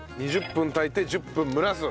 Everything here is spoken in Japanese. ２０分炊いて１０分蒸らす。